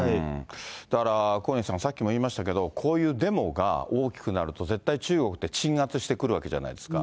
だから小西さん、さっきも言いましたけど、こういうデモが大きくなると、絶対中国って鎮圧してくるわけじゃないですか。